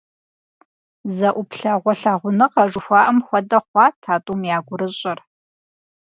Зэ ӏуплъэгъуэ лъагъуныгъэ жыхуаӏэм хуэдэ хъуат а тӏум я гурыщӏэр.